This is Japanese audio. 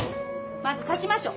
まず立ちましょう。